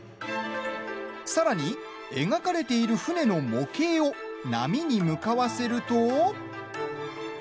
さらに、描かれている船の模型を波に向かわせると。